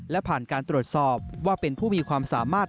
และผ่านการตรวจสอบว่าเป็นผู้มีความสามารถ